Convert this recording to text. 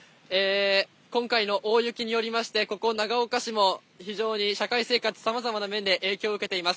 今回の大雪によりまして、ここ、長岡市も、非常に社会生活、さまざまな面で影響を受けています。